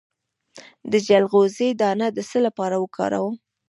د چلغوزي دانه د څه لپاره وکاروم؟